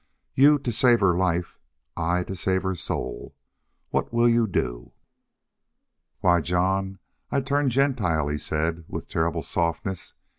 You to save her life I to save her soul! What will you do?" "Why, John, I'd turn Gentile," he said, with terrible softness.